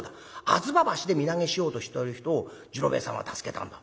吾妻橋で身投げしようとしてる人を次郎兵衛さんは助けたんだ。